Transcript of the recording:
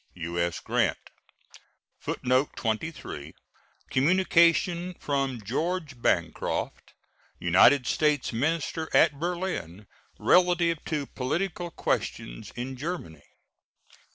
U.S. GRANT. [Footnote 23: Communication from George Bancroft, United States minister at Berlin, relative to political questions in Germany.